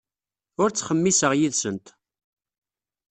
Ur ttxemmiseɣ yid-sent.